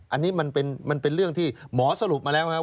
อันนี้มันเป็นเรื่องที่หมอสรุปมาแล้วครับ